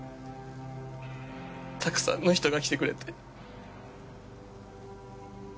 たくさんの人が来てくれて。